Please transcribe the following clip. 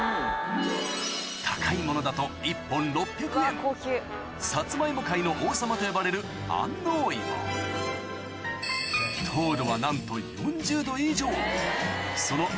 高いものだと１本６００円サツマイモ界の王様と呼ばれる安納芋工藤はこれで。